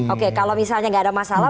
oke kalau misalnya nggak ada masalah